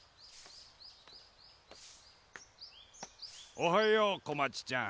おはようこまちちゃん。